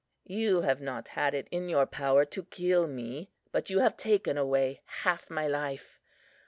You have not had it in your power to kill me, but you have taken away half my life.